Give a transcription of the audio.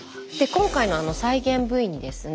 今回の再現Ｖにですね